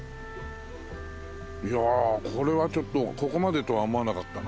いやこれはちょっとここまでとは思わなかったな。